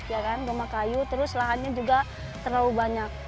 ya kan rumah kayu terus lahannya juga terlalu banyak